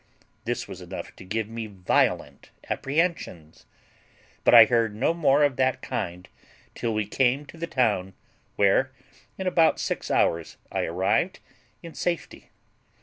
This was enough to give me violent apprehensions; but I heard no more of that kind till we came to the town, where, in about six hours, I arrived in safety.